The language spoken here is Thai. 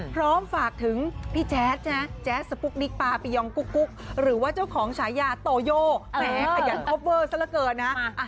พร้อมฝากถึงพี่แจ๊ดนะแจ๊สสปุ๊กนิกปาปียองกุ๊กหรือว่าเจ้าของฉายาโตโยแหมขยันคอปเวอร์ซะละเกินนะ